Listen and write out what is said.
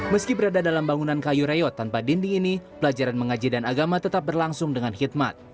meski berada dalam bangunan kayu reot tanpa dinding ini pelajaran mengaji dan agama tetap berlangsung dengan khidmat